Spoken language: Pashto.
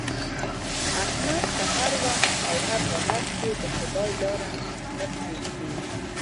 احمد په هر وخت او هر حالت کې د خدای لاره نه پرېږدي.